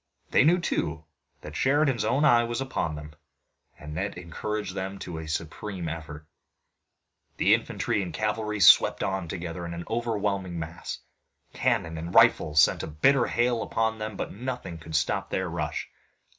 They knew, too, that Sheridan's own eye was upon them, and it encouraged them to a supreme effort. Infantry and cavalry swept on together in an overwhelming mass. Cannon and rifles sent a bitter hail upon them, but nothing could stop their rush.